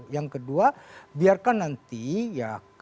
yang kedua biarkan nanti ya